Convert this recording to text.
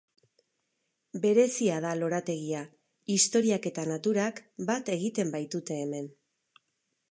Berezia da lorategia, historiak eta naturak bat egiten baitute hemen.